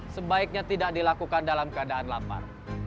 sebaiknya tidak dilakukan dalam keadaan lapar